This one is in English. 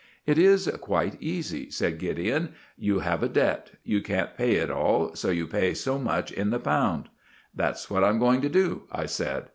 "It is quite easy," said Gideon. "You have a debt; you can't pay it all, so you pay so much in the pound." "That's what I'm going to do," I said.